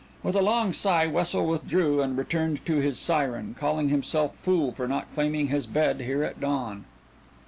With a long sigh Wessel withdrew and returned to his siren, calling himself fool for not claiming his bed here at dawn.